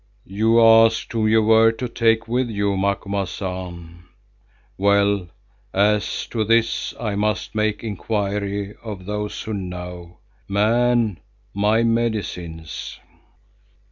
"You asked whom you were to take with you, Macumazahn. Well, as to this I must make inquiry of those who know. Man, my medicines!"